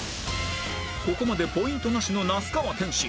ここまでポイントなしの那須川天心